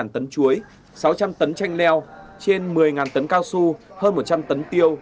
một tấn chuối sáu trăm linh tấn chanh leo trên một mươi tấn cao su hơn một trăm linh tấn tiêu